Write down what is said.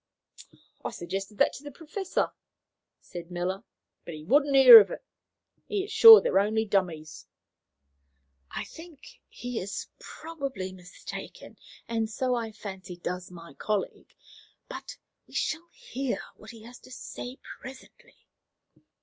"I suggested that to the Professor," said Miller, "but he wouldn't hear of it. He is sure they are only dummies." "I think he is probably mistaken, and so, I fancy, does my colleague. But we shall hear what he has to say presently."